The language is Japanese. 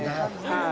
はい。